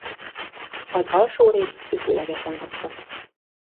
Az alsó rész függőlegesen osztott.